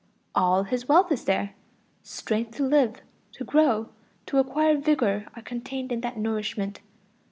All his wealth is there: strength to live, to grow, to acquire vigor are contained in that nourishment.